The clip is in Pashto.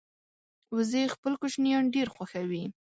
وزې خپل کوچنیان ډېر خوښوي